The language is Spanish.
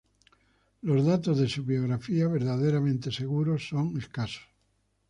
Los datos de su biografía verdaderamente seguros son escasos.